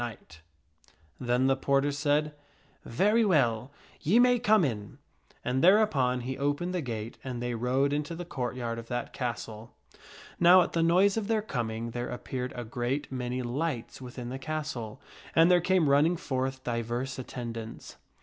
KING ARTHUR ENTERS THE STRANGE CASTLE 297 Then the porter said, Very well; ye may come in." And thereupon he opened the gate and they rode into the court yard of that castle./ Now at the noise of their coming, there appeared a great many lights within the castle, and there came running forth divers attendants.